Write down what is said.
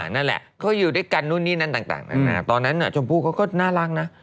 นั่นแหละเขาอยู่ด้วยกันนู่นนี่นั่นต่างนานาตอนนั้นชมพู่เขาก็น่ารักนะ